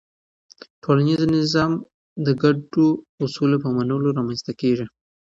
ټولنیز نظم د ګډو اصولو په منلو رامنځته کېږي.